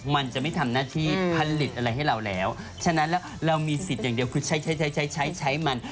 มันจะไม่ทำหน้าที่ผลิตอะไรให้เราแล้วฉะนั้นแล้วเรามีสิทธิ์อย่างเดียวคือใช้ใช้ใช้ใช้มัน